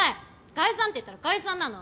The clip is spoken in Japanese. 解散って言ったら解散なの！